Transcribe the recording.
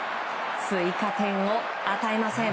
追加点を与えません。